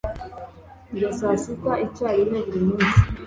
Ndya saa sita icyarimwe buri munsi.